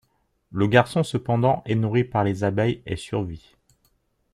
Le garçon cependant est nourri par les abeilles et survit.